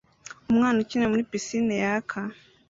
Umwana ukina muri pisine yaka